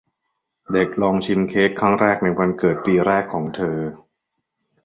เด็กลองชิมเค้กครั้งแรกในวันเกิดปีแรกของเธอ